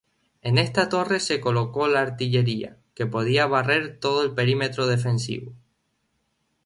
En esta torre se colocó la artillería, que podía barrer todo el perímetro defensivo.